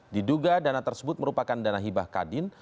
diduga dana tersebut merupakan dana hibah kadin